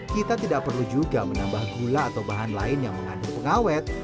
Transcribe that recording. kita tidak perlu juga menambah gula atau bahan lain yang mengandung pengawet